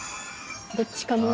どっちかの。